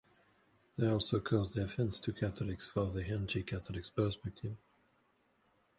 They also caused offence to Catholics for their anti-Catholic perspective.